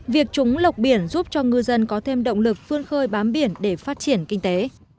việc trúng lọc biển giúp cho ngư dân có thêm động lực phương khơi bám biển để phát triển kinh tế